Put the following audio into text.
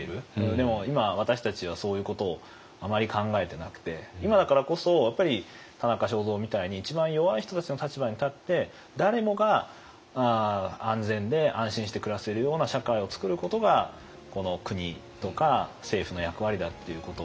でも今私たちはそういうことをあまり考えてなくて今だからこそやっぱり田中正造みたいに一番弱い人たちの立場に立って誰もが安全で安心して暮らせるような社会をつくることがこの国とか政府の役割だっていうことつまり人権の思想ですよね。